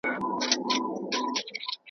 زما توجه ور واړوله .